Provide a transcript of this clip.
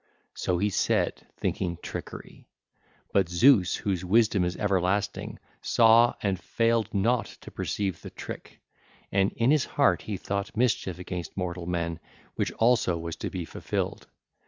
So he said, thinking trickery. But Zeus, whose wisdom is everlasting, saw and failed not to perceive the trick, and in his heart he thought mischief against mortal men which also was to be fulfilled.